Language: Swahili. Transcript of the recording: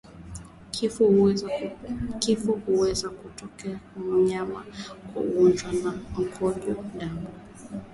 Kifo huweza kutokea kwa mnyama kwa ugonjwa wa mkojo damu